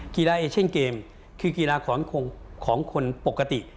เอ้าเอเชนเกมคือกีฬาของคนปกติ